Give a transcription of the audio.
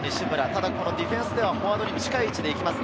ただディフェンスはフォワードに近い位置できます。